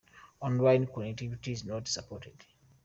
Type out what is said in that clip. Online connectivity is not supported.